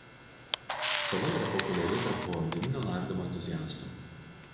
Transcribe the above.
Sala yra populiari tarp povandeninio nardymo entuziastų.